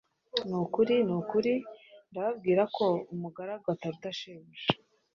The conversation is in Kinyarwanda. Ni ukuri, ni ukuri ndababwira ko umugaragagu ataruta shebuja;